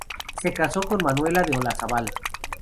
Se casó con Manuela de Olazábal.